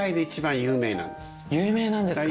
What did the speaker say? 有名なんですか。